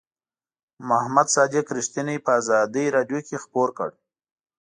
محمد صادق رښتیني په آزادۍ رادیو کې خپور کړ.